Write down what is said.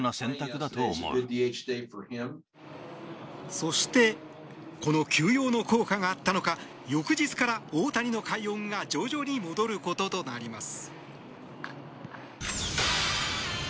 そしてこの休養の効果があったのか翌日から大谷の快音が徐々に戻ることとなります。